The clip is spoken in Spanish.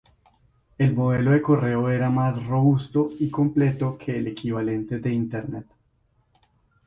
El modelo de correo era más robusto y completo que el equivalente de Internet.